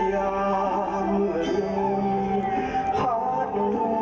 ไปสุดสูตร